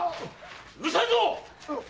うるさいぞ‼